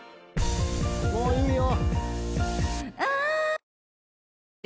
もういいよ。